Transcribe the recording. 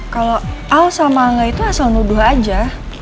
kalau aw sama angga itu asal nuduh aja